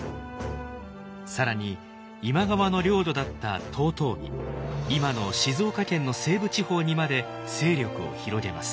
更に今川の領土だった遠江今の静岡県の西部地方にまで勢力を広げます。